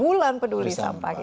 bulan peduli sampah